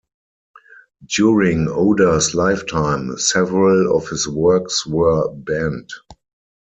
During Oda's lifetime, several of his works were banned.